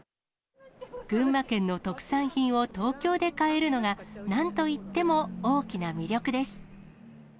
群馬県の特産品を東京で買えるのが、なんといっても大きな魅力です。